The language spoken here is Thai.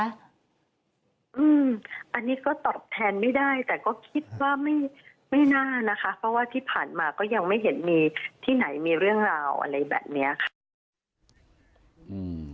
อันนี้ก็ตอบแทนไม่ได้แต่ก็คิดว่าไม่ไม่น่านะคะเพราะว่าที่ผ่านมาก็ยังไม่เห็นมีที่ไหนมีเรื่องราวอะไรแบบเนี้ยค่ะอืม